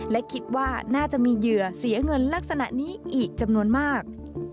และคิดว่าน่าจะมีเหยื่อเสียเงินลักษณะนี้อีกจำนวนมาก